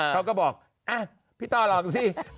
เขาก็บอกพี่ต้อรอดูสิ